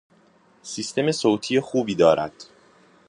سیستم صوتی خوبی دارد.